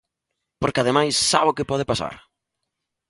Porque ademais, ¿sabe o que pode pasar?